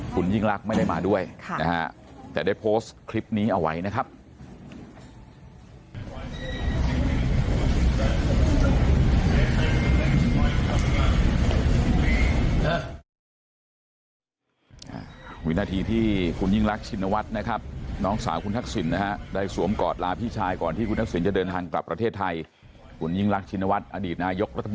คุณยิ่งรักไม่ได้มาด้วยนะฮะแต่ได้โพสต์คลิปนี้เอาไว้นะครับ